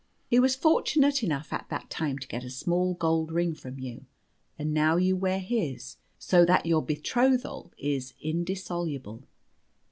He was fortunate enough at that time to get a small gold ring from you, and now you wear his, so that your betrothal is indissoluble."